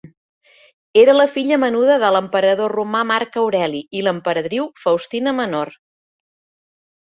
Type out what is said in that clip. Era la filla menuda de l'Emperador Romà Marc Aureli i l'Emperadriu Faustina Menor.